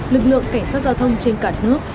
lực lượng cảnh sát giao thông trên cả nước